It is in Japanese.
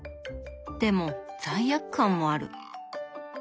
でも罪悪感もある。